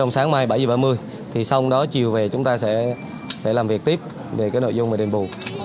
sáng mai bảy h ba mươi thì xong đó chiều về chúng ta sẽ làm việc tiếp về cái nội dung mà đền bù